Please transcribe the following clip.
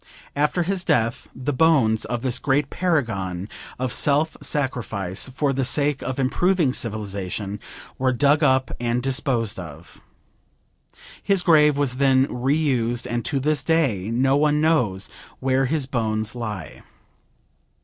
After his death, the bones of this great paragon of self sacrifice for the sake of improving civilization were dug up and disposed of. His grave was then re used, and to this day no one knows where his bones lie.